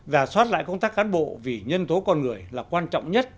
và xoát lại công tác cán bộ vì nhân tố con người là quan trọng nhất